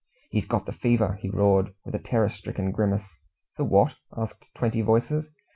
"He's got the fever!" he roared, with a terror stricken grimace. "The what?" asked twenty voices.